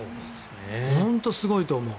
本当にすごいと思う。